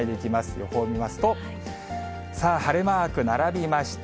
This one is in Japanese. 予報見ますと、さあ、晴れマーク並びました。